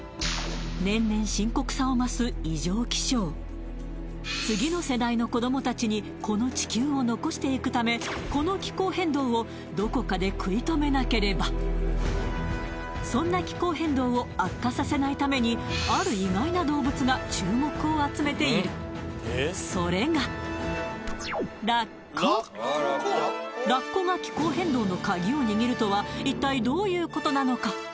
年々深刻さを増す異常気象次の世代の子どもたちにこの地球を残していくためこの気候変動をどこかで食い止めなければそんな気候変動を悪化させないためにそれがラッコが気候変動の鍵を握るとは一体どういうことなのか？